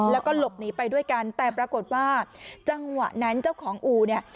แล้วก็หลบหนีไปด้วยกันแต่ปรากฏว่าจังหวะนั้นเจ้าของอู่เนี่ย